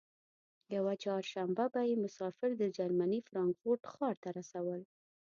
یوه چهارشنبه به یې مسافر د جرمني فرانکفورت ښار ته رسول.